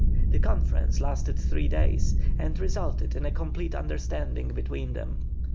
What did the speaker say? The conference lasted three days and resulted in a complete understanding between them.